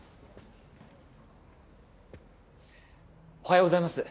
おはようございます。